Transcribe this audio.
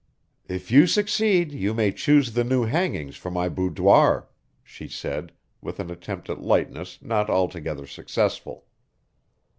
"If you succeed you may choose the new hangings for my boudoir," she said, with an attempt at lightness not altogether successful.